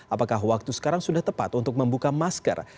apakah waktu sekarang sudah tepat untuk membuka masker